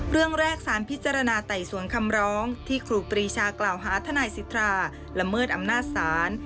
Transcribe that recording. เรื่องแรกสารพิจารณาไต่สวนคำร้องที่ครูปรีชากล่าวหาทนายสิทธาละเมิดอำนาจศาล